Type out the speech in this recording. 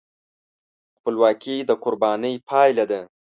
خپلواکي د قربانۍ پایله ده.